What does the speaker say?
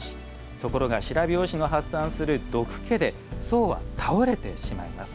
ところが、白拍子の発散する毒気で僧は倒れてしまいます。